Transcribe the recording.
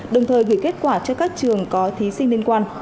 đồng thời gửi kết quả cho các trường có thí sinh liên quan